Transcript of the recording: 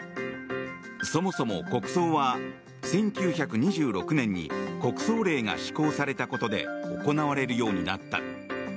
そもそも国葬は１９２６年に国葬令が施行されたことで行われるようになった。